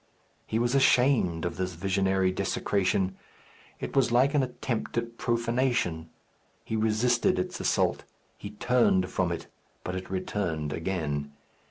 He was ashamed of this visionary desecration. It was like an attempt at profanation. He resisted its assault. He turned from it, but it returned again.